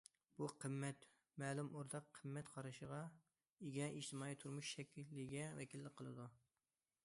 بۇ قىممەت مەلۇم ئورتاق قىممەت قارىشىغا ئىگە ئىجتىمائىي تۇرمۇش شەكلىگە ۋەكىللىك قىلىدۇ.